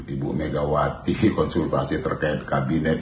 ibu megawati konsultasi terkait kabinet